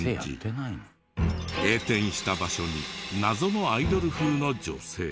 閉店した場所に謎のアイドル風の女性。